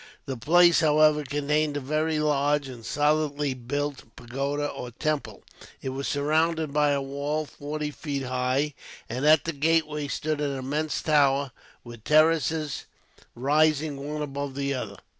The place, however, contained a very large and solidly built pagoda or temple. It was surrounded by a wall, forty feet high; and at the gateway stood an immense tower, with terraces rising one above the other.